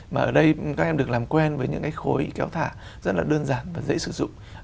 mà ở đây các em được làm quen với những cái khối kéo thả rất là đơn giản và dễ sử dụng